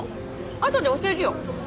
あとで教えるよ